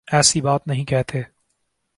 ایسی بات نہیں کہتے